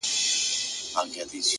زما لېونۍ و ماته ښه خبر اکثر نه کوي;